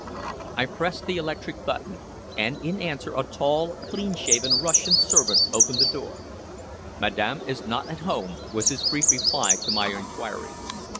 I pressed the electric button, and in answer a tall, clean shaven Russian servant opened the door. "Madame is not at home," was his brief reply to my inquiry.